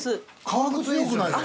革靴よくないっすか？